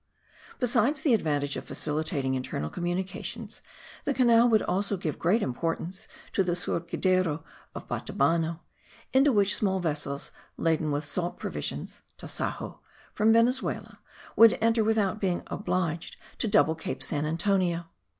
Besides the advantage of facilitating internal communications, the canal would also give great importance to the surgidero of Batabano, into which small vessels laden with salt provisions (tasajo) from Venezuela, would enter without being obliged to double Cape Saint Antonio.